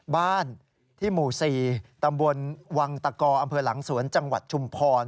บ้านที่หมู่๔ตำบลวังตะกออำเภอหลังสวนจังหวัดชุมพร